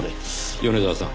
米沢さん。